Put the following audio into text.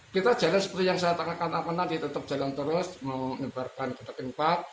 kita jalan seperti yang saya sampaikan tadi tetap jalan terus menyebarkan kotak impak